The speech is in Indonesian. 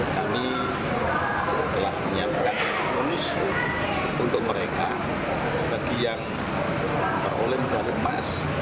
kami telah menyiapkan bonus untuk mereka bagi yang teroleh dari emas